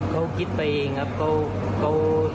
เขาคิดไปเองครับ